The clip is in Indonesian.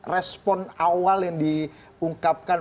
respon awal yang diungkapkan